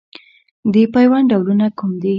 د پیوند ډولونه کوم دي؟